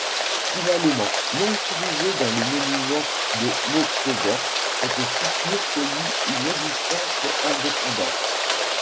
Finalement, non utilisées dans le monument de Montauban, cette sculpture connut une existence indépendante.